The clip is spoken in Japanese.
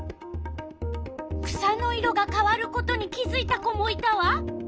草の色が変わることに気づいた子もいたわ。